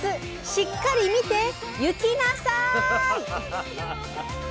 しっかり見て「ゆきな」さい！